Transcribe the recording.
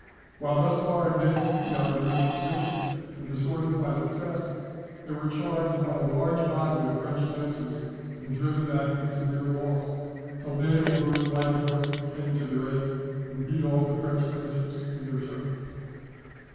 While thus far advanced beyond the British position and disordered by success, they were charged by a large body of French lancers, and driven back with severe loss, till Vandeleur's Light horse came to their aid, and beat off the French lancers in their turn.